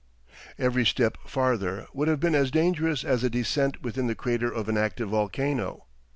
Every step farther would have been as dangerous as a descent within the crater of an active volcano.